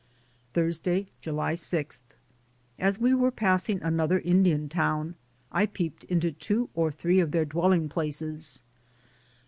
Thursday, July 6. As we were passing another Indian town I peeped into two or three of their dwelling places.